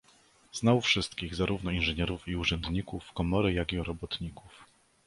Znał wszystkich - zarówno inżynierów i urzędników komory jak i robotników.